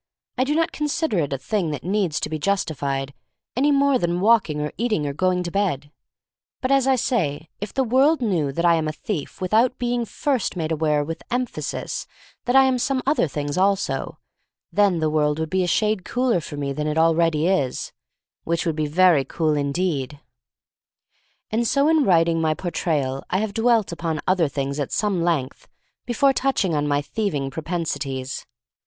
I do not consider it a thing that needs to be justified, any more than walking or eating or going to bed* But, as I say, if the world knew that I THE STORY OF MARY MAC LANE 1 45 am a thief without being first made aware with emphasis that I am some other things also, then the world would be a shade cooler for me than it already is — which would be very cool indeed. And so in writing my Portrayal I have dwelt upon other things at some length before touching on my thieving propensities.